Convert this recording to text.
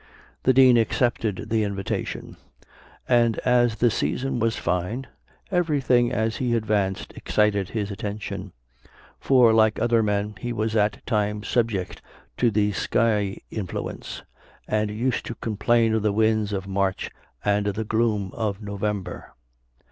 The Dean accepted the invitation; and, as the season was fine, every thing as he advanced excited his attention; for, like other men, he was at times subject to "the skyey influence," and used to complain of the winds of March, and the gloom of November.